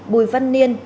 bùi văn niên